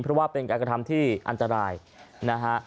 เพราะว่าเป็นการกระทำที่อันตรายนะฮะ